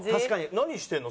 何してんの？